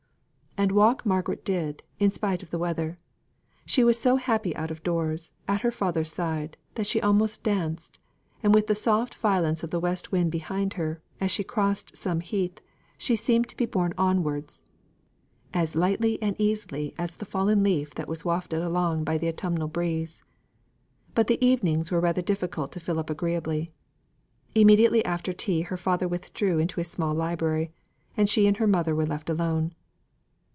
And walk Margaret did, in spite of the weather. She was so happy out of doors, at her father's side, that she almost danced; and with the soft violence of the west wind behind her, as she crossed some heath, she seemed to be borne onwards, as lightly and easily as the fallen leaf that was wafted along by the autumnal breeze. But the evenings were rather difficult to fill up agreeably. Immediately after tea her father withdrew into his small library, and she and her mother were left alone.